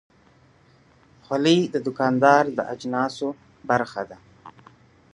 خولۍ د دوکاندار د اجناسو برخه ده.